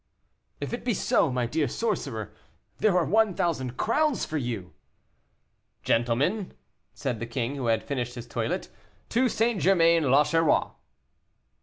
"If it be so, my dear sorcerer, there are one thousand crowns for you." "Gentlemen," said the king, who had finished his toilet, "to St. Germain l'Auxerrois."